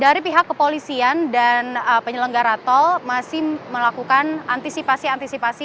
dari pihak kepolisian dan penyelenggara tol masih melakukan antisipasi antisipasi